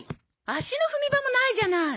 足の踏み場もないじゃない。